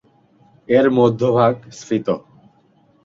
এর মধ্যভাগ স্ফীত।